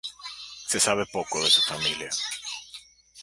Se sabe poco de su familia.